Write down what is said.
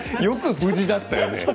よく無事だったよね